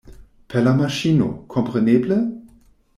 Per la maŝino, kompreneble?